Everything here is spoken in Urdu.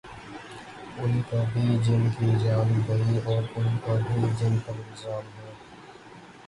ان کا بھی جن کی جان گئی اوران کا بھی جن پر الزام ہے۔